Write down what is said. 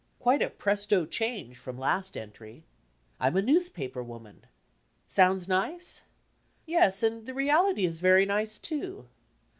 Quite a 'presto change' from last entry! I'm a newspaper woman! Sounds nice? Yes, and the reality is very nice, too.